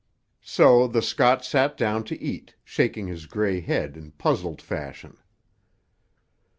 So the Scot sat down to eat, shaking his grey head in puzzled fashion.